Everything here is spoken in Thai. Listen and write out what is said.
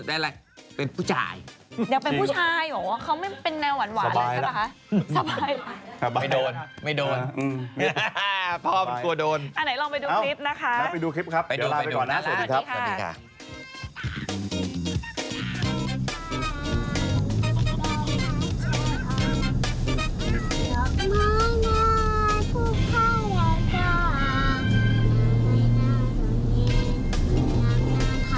อ่าไหนลองไปดูคลิปนะคะสวัสดีค่ะไปดูคลิปครับเดี๋ยวลาไปก่อนนะสวัสดีค่ะสวัสดีค่ะ